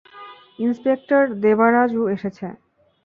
Inspector Devaraju এসেছে।